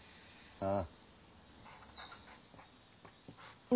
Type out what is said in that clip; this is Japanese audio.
ああ。